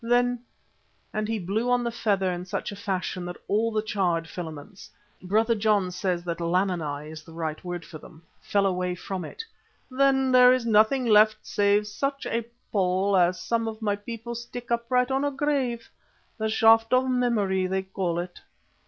Then" and he blew on the feather in such a fashion that all the charred filaments (Brother John says that laminae is the right word for them) fell away from it "then, there is nothing left save such a pole as some of my people stick upright on a grave, the Shaft of Memory they call it.